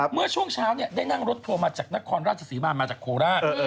เมื่อช่วงเช้าได้นั่งรถทัวร์มาจากนครราชศรีมามาจากโคราช